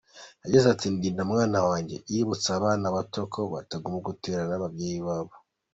Yagize ati “Ndinda Mwana wanjye”, yibutsa abana bato ko batagomba gutererana ababyeyi babo.